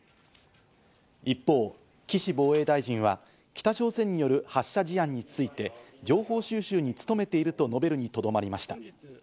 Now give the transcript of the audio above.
一方、岸防衛大臣は北朝鮮による発射事案について情報収集に努めていると述べるにとどまりました。